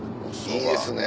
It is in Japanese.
いいですね。